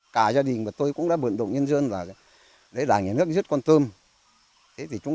cả gia đình và tôi cũng đã bận động nhân dân là đấy là người nước rước con tôm thế thì chúng